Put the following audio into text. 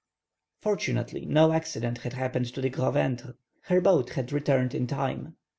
Fortunately no accident had happened to the Gros ventre. Her boat had returned in time; M.